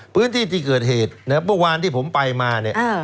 พื้นที่ที่เกิดเหตุประวัติที่ผมไปมา